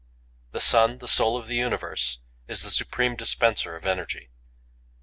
The sun, the soul of the universe, is the supreme dispenser of energy.